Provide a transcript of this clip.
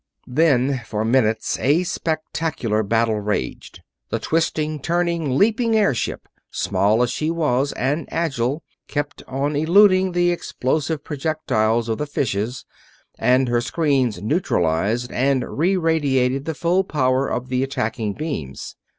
Then for minutes a spectacular battle raged. The twisting, turning, leaping airship, small as she was and agile, kept on eluding the explosive projectiles of the fishes, and her screens neutralized and re radiated the full power of the attacking beams.